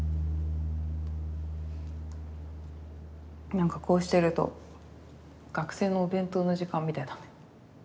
なんかこうしてると学生のお弁当の時間みたいだね。